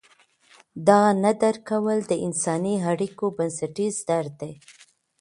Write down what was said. دا نه درک کول د انساني اړیکو بنسټیز درد دی.